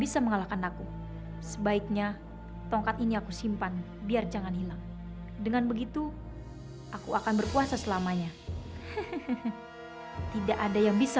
sampai jumpa di video selanjutnya